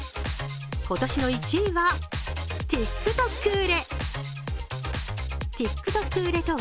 今年の１位はＴｉｋＴｏｋ売れ。